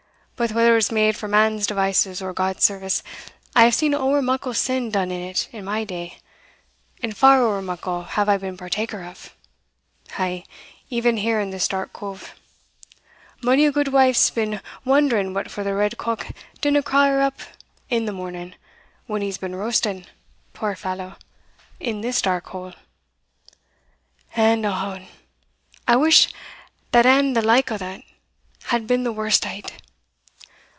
But whether it was made for man's devices or God's service, I have seen ower muckle sin done in it in my day, and far ower muckle have I been partaker of ay, even here in this dark cove. Mony a gudewife's been wondering what for the red cock didna craw her up in the morning, when he's been roasting, puir fallow, in this dark hole And, ohon! I wish that and the like o' that had been the warst o't!